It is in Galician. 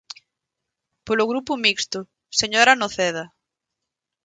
Polo Grupo Mixto, señora Noceda.